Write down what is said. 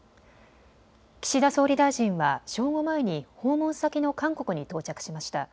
岸田総理大臣は正午前に訪問先の韓国に到着しました。